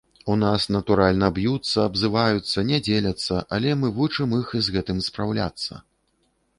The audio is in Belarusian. У нас, натуральна, б'юцца, абзываюцца, не дзеляцца, але мы вучым іх з гэтым спраўляцца.